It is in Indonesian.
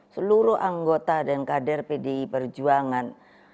seluruh anggota dan kader pdi perjuangan